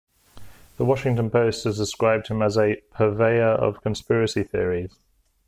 The "Washington Post" has described him as a "purveyor of conspiracy theories.